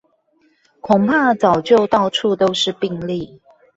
恐怕早就到處都是病例